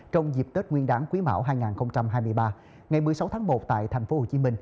trong dịp tết nguyên đáng quý mão hai nghìn hai mươi ba ngày một mươi sáu tháng một tại tp hcm